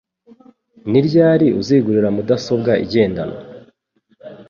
Ni ryari uzigurira mudasobwa igendanwa?